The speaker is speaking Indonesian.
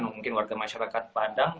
mungkin warga masyarakat padang